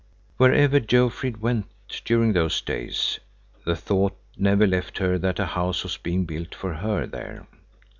Wherever Jofrid went during those days, the thought never left her that a house was being built for her there.